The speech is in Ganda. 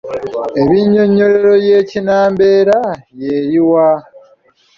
Ennyinyonnyolero y’Ekinnambeera y’eluwa?